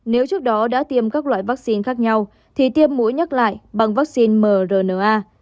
nếu trước đó đã tiêm các loại vaccine khác nhau thì tiêm mũi nhắc lại bằng vaccine mrna